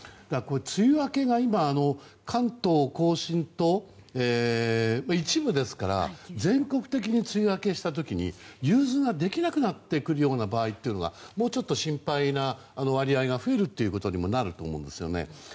梅雨明けが今関東・甲信と一部ですから全国的に梅雨明けした時に融通ができなくなってくる場合というのがもうちょっと心配な割合が増えるということにもなると思うんですね。